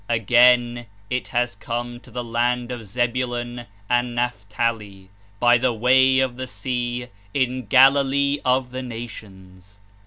Again it has come to the land of Zebulun and Naphtali, "by the way of the sea" — '^in Galilee of the nations."